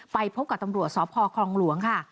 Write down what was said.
ไปพบกับตำรวจสพคลองหลวงค่ะ